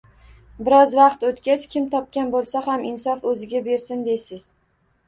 Biroz vaqt o`tgach, Kim topgan bo`lsa ham, insof o`ziga bersin, deysiz